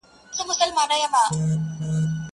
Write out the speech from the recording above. خپل د لاس څخه اشـــنــــــا،